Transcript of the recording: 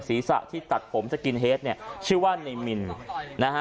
ศีรษะที่ตัดผมสกินเฮดเนี่ยชื่อว่าในมินนะฮะ